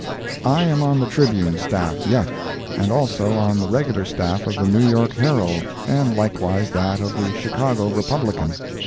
I am on the Tribune staff yet, and also on the regular staff of the New York Herald and likewise that of the Chicago Republican.